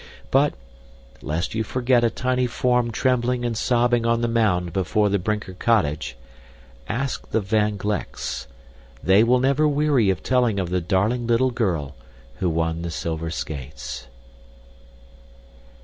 But, lest you forget a tiny form trembling and sobbing on the mound before the Brinker cottage, ask the Van Glecks; they will never weary of telling of the darling little girl who won the silver skates.